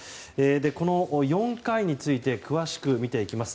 この４回について詳しく見ていきます。